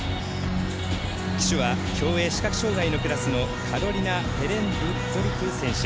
旗手は競泳、視覚障がいのクラスのカロリナ・ペレンドリトゥ選手。